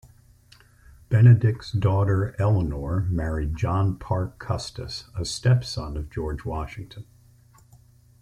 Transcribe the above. Benedict's daughter, Eleanor married John Parke Custis, a step-son of George Washington.